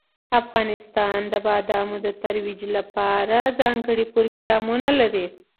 افغانستان د بادامو د ترویج لپاره ځانګړي پروګرامونه لري.